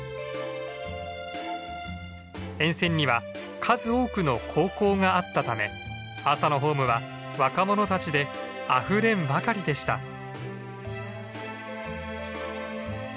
沿線には数多くの高校があったため朝のホームは若者たちであふれんばかりでした。